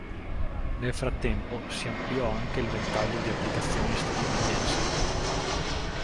Nel frattempo si ampliò anche il ventaglio di applicazioni statunitensi.